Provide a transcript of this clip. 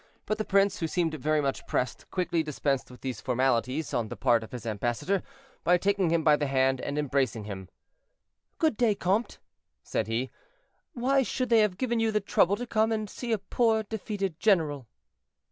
But the prince, who seemed very much pressed, quickly dispensed with these formalities on the part of his ambassador, by taking him by the hand and embracing him. "Good day, comte," he said; "why should they have given you the trouble to come and see a poor defeated general?"